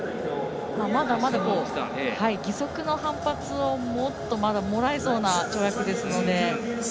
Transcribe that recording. まだまだ義足の反発をもっとまだもらえそうな跳躍ですので。